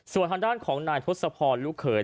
ส่วนทางด้านของนายทศพรลูกเขย